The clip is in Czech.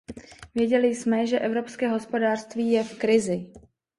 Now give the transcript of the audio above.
Věděli jsme, že evropské hospodářství je v krizi.